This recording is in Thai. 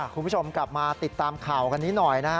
คุณผู้ชมกลับมาติดตามข่าวกันนี้หน่อยนะฮะ